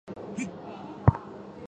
宣化在晚年查出患有淋巴癌。